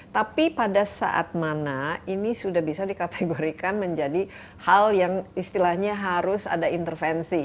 tapi pada saat mana ini sudah bisa dikategorikan menjadi hal yang istilahnya harus ada intervensi